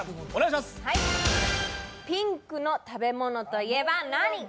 ピンクの食べ物といえば何？